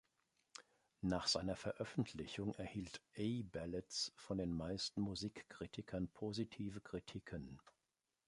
Nach seiner Veröffentlichung erhielt „A Ballads“ von den meisten Musikkritikern positive Kritiken.